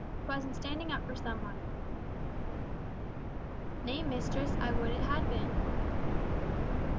'Twas in standing up for some one." "Nay, mistress, I would it had been."